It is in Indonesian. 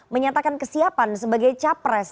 menyatakan kesiapan sebagai capres